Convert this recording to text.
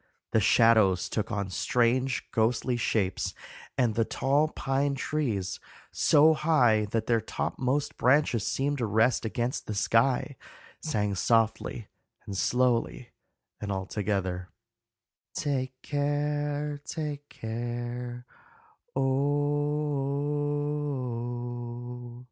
The shadows took on strange, ghostly shapes, and the tall pine trees, so high that their topmost branches seemed to rest against the sky, sang softly and slowly and all together, "Take care take care oh oh ough."